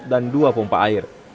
dan dua pompa air